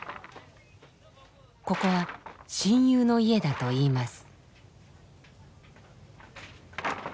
ここは親友の家だといいます。